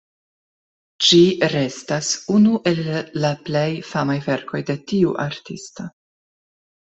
Ĝi restas unu el la plej famaj verkoj de tiu artisto.